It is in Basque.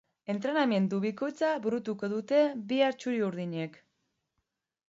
Entrenamendu bikoitza burutuko dute bihar txuri-urdinek.